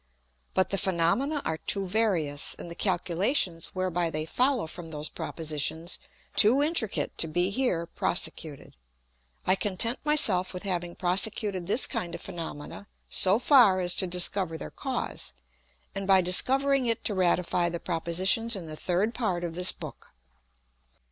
But the Phænomena are too various, and the Calculations whereby they follow from those Propositions too intricate to be here prosecuted. I content my self with having prosecuted this kind of Phænomena so far as to discover their Cause, and by discovering it to ratify the Propositions in the third Part of this Book.